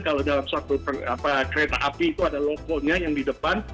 kalau dalam satu kereta api itu ada lokonya yang di depan